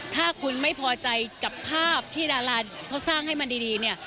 ถ้าคุณไม่พอใจกับภาพที่ดาราเขาสร้างให้มันดีเนี่ย